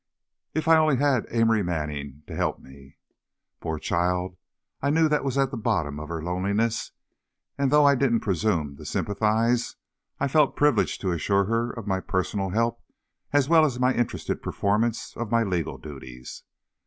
"If I only had Amory Manning to help me." Poor child, I knew that was at the bottom of her loneliness, and though I didn't presume to sympathize, I felt privileged to assure her of my personal help as well as my interested performance of my legal duties.